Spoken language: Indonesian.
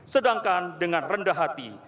sedangkan dengan rendah hati